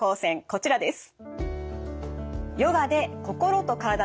こちらです。